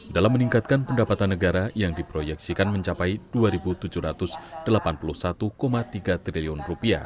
dalam meningkatkan pendapatan negara yang diproyeksikan mencapai rp dua tujuh ratus delapan puluh satu tiga triliun